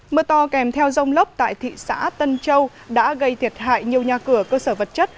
mưa to kèm theo rông lốc tại thị xã tân châu đã gây thiệt hại nhiều nhà cửa cơ sở vật chất